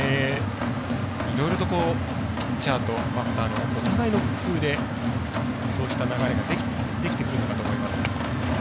いろいろとピッチャーとバッターのお互いの工夫でそうした流れができてくるのかと思います。